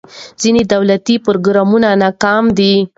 ځینې دولتي پروګرامونه ناکام دي.